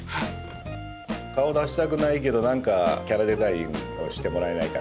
顔出したくないけど何かキャラデザインをしてもらえないかな？